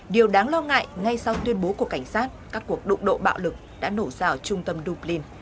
điều đáng lo ngại ngay sau tuyên bố của cảnh sát các cuộc đụng độ bạo lực đã nổ ra ở trung tâm du blin